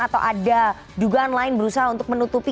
atau ada dugaan lain berusaha untuk menutupi